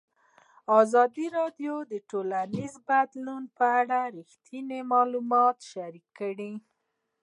ازادي راډیو د ټولنیز بدلون په اړه رښتیني معلومات شریک کړي.